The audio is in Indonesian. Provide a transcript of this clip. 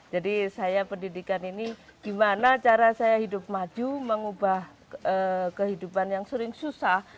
jadi saya pendidikan ini gimana cara saya hidup maju mengubah kehidupan yang sering susah